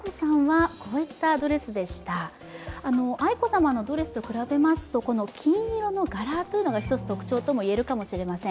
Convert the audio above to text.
愛子さまのドレスと比べますと、金色の柄が一つ特徴ともいえるかもしれません。